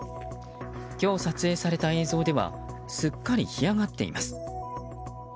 今日撮影された映像ではすっかり干上がっています。